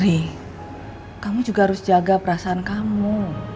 nih kamu juga harus jaga perasaan kamu